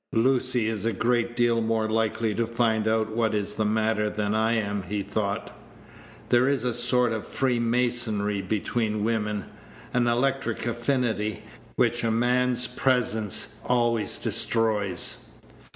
"Lucy is a great deal more likely to find out what is the matter than I am," he thought. "There is a sort of freemasonry between women, an electric affinity, which a man's presence always destroys.